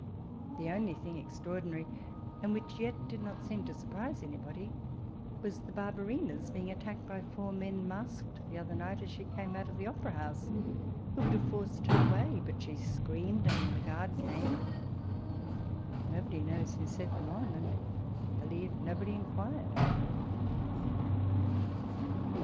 The only thing extraordinary, and •which yet did not seem to surprise anybody, was the Barberina's being attacked by four men 26 walpole's letters. masqued, the other night, as she came out of the Opera House, who would have forced her away ; but she screamed, and the guard came. Nobody knows who set them on, and I beheve nobody inquh ed.